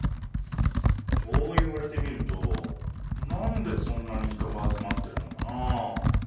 そう言われてみるとなんでそんなに人が集まってるのかなあ。